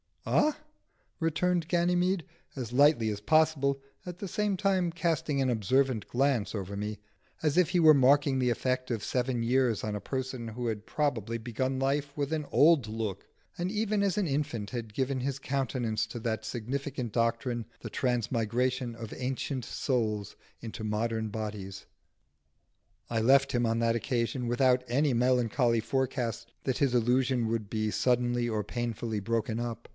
"Ah?" returned Ganymede, as lightly as possible, at the same time casting an observant glance over me, as if he were marking the effect of seven years on a person who had probably begun life with an old look, and even as an infant had given his countenance to that significant doctrine, the transmigration of ancient souls into modern bodies. I left him on that occasion without any melancholy forecast that his illusion would be suddenly or painfully broken up.